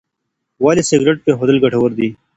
ولې سګریټ پرېښودل ګټور دي؟